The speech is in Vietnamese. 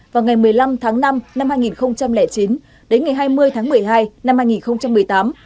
vào ngày một mươi năm tháng năm năm hai nghìn chín đến ngày hai mươi tháng một mươi hai năm hai nghìn một mươi tám